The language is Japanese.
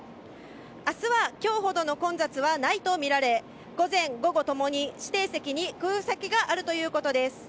明日は今日ほどの混雑はないとみられ、午前・午後ともに指定席に空席があるということです。